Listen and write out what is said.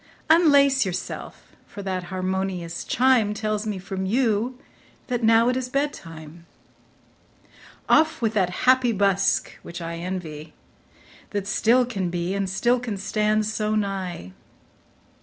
Unlace yourself, for that harmonious chime Tells me from you that now it is bed time. Off with that happy busk, which I envy, That still can be, and still can stand so nigh.